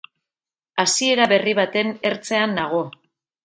Hasiera berri baten ertzean nago.